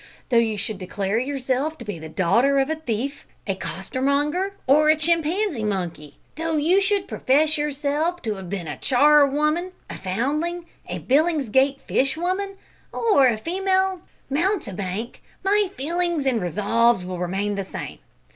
Though you should declare yourself to be the daughter of a thief, a costermonger, or a chimpanzee monkey though you should profess yourself to have been a charwoman, a foundling, a Billingsgate fish woman, or a female mountebank my feelings and resolves will remain the same.